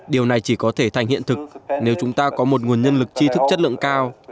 điều này chỉ có thể thành hiện thực nếu chúng ta có một nguồn nhân lực chi thức chất lượng cao